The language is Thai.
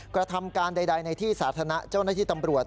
กระทำการใดในที่สาธารณะเจ้าหน้าที่ตำรวจ